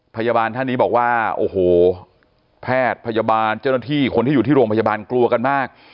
ท่านนี้บอกว่าโอ้โหแพทย์พยาบาลเจ้าหน้าที่คนที่อยู่ที่โรงพยาบาลกลัวกันมาก